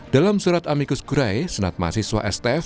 dalam surat amikus gerai senat mahasiswa stf